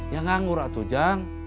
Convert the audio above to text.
ya nganggur atuh jang